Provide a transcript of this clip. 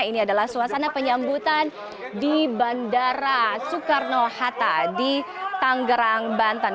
ini adalah suasana penyambutan di bandara soekarno hatta di tanggerang banten